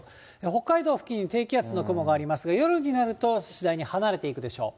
北海道付近に低気圧の雲がありますが、夜になると次第に離れていくでしょう。